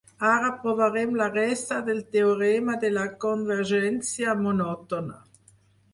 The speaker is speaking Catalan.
Ara provarem la resta del teorema de la convergència monòtona.